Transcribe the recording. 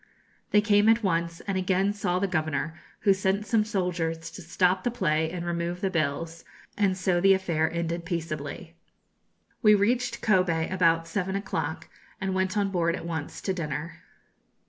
They came at once, and again saw the governor, who sent some soldiers to stop the play and remove the bills; and so the affair ended peaceably. We reached Kobe about seven o'clock, and went on board at once to dinner.